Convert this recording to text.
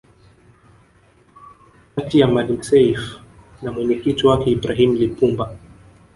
kati ya Maalim Self na mwenyekiti wake Ibrahim Lipumba